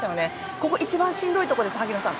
ここ一番、しんどいところです萩野さん。